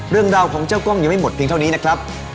เรื่องราวของเจ้ากล้องยังไม่หมดเพียงเท่านี้นะครับ